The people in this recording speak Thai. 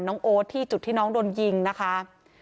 โอ๊ตที่จุดที่น้องโดนยิงนะคะ